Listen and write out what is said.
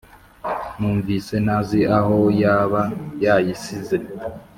Numvise ntazi ahoy aba yayisize